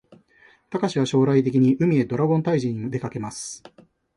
たかしは将来的に、海へドラゴン退治にでかけます。その後好みの人と喧嘩しました。おしまい